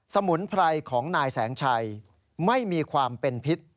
มุนไพรของนายแสงชัยไม่มีความเป็นพิษ